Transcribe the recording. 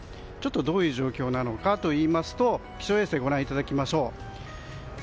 どういう状況なのかといいますと気象衛星をご覧いただきましょう。